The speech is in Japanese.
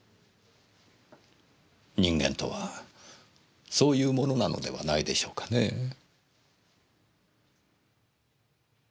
人間とはそういうものなのではないでしょうかねぇ。